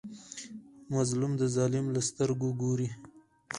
مظلوم د ظالم له سترګو ګوري.